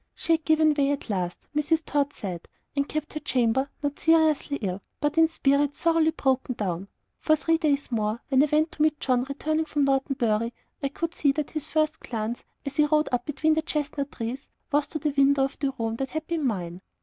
She had given way at last, Mrs. Tod said, and kept her chamber, not seriously ill, but in spirit thoroughly broken down. For three days more, when I went to meet John returning from Norton Bury, I could see that his first glance, as he rode up between the chestnut trees, was to the window of the room that had been mine.